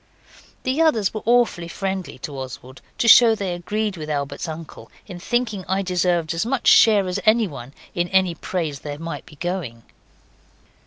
The others were awfully friendly to Oswald, to show they agreed with Albert's uncle in thinking I deserved as much share as anyone in any praise there might be going.